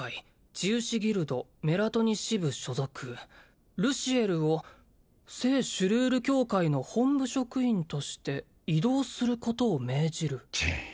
「治癒士ギルドメラトニ支部所属」「ルシエルを聖シュルール教会の本部職員として」「異動することを命じる」